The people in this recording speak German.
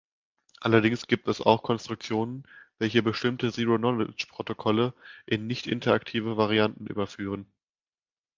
Allerdings gibt es auch Konstruktionen, welche bestimmte Zero-Knowledge Protokolle in nicht-interaktive Varianten überführen.